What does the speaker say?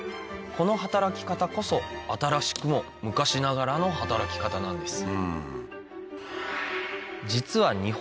この働き方こそ新しくも昔ながらの働き方なんです